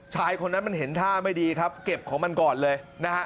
ชายคนนั้นมันเห็นท่าไม่ดีครับเก็บของมันก่อนเลยนะฮะ